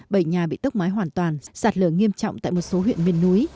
bệnh nhà bị tốc máy hoàn toàn sạt lở nghiêm trọng tại một số huyện miền núi